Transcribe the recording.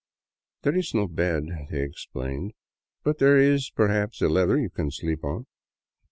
" There is no bed," they explained, " but there is perhaps a leather you can sleep on."